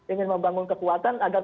ingin membangun kekuatan agar